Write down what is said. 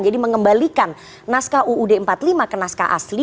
jadi mengembalikan naskah uud empat puluh lima ke naskah asli